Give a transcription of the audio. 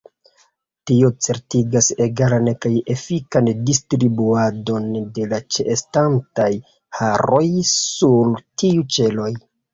Tio certigas egalan kaj efikan distribuadon de la ĉeestantaj haroj sur tiuj ĉeloj.